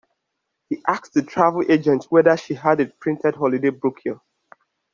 He asked the travel agent whether she had a printed holiday brochure